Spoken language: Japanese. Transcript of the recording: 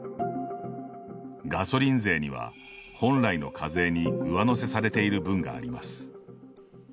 ガソリン税には、本来の課税に上乗せされている分があります。